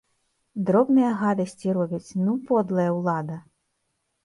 Дробныя гадасці робяць, ну, подлая ўлада!